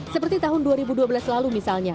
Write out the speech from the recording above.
seperti tahun dua ribu dua belas lalu misalnya